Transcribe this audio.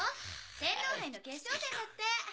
天皇杯の決勝戦だって。